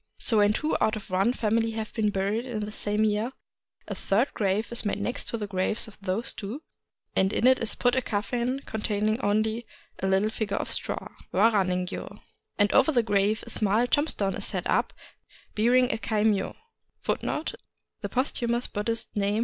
So when two out of one family have been buried in the same year, a third grave is made next to the graves of those two, and in it is put a coffin containing only a little figure of straw, — wara ningyo ; and over that grave a small tombstone is set up, bearing a kaimyo.